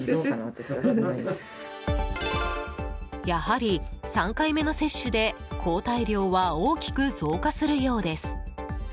やはり３回目の接種で抗体量は大きく増加するようです。